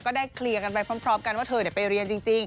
ได้เคลียร์กันไปพร้อมกันว่าเธอไปเรียนจริง